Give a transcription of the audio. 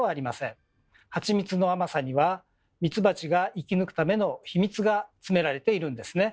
ハチミツの甘さにはミツバチが生き抜くための秘密が詰められているんですね。